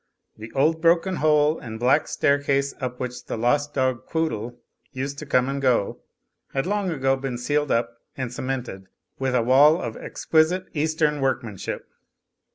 The old broken hole and black staircase up which the lost dog Quoodle used to come and go, had long ago been sealed up and cement ed with a wall of exquisite Eastern workmanship.